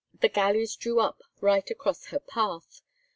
The galleys drew up right across her path.